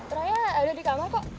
raya ada di kamar kok